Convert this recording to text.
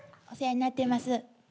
お世話になってます。